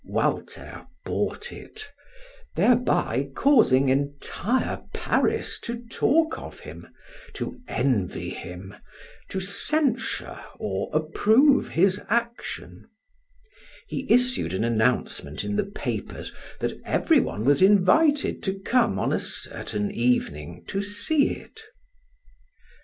Walter bought it, thereby causing entire Paris to talk of him, to envy him, to censure or approve his action. He issued an announcement in the papers that everyone was invited to come on a certain evening to see it.